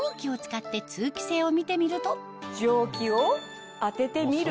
蒸気を当ててみると。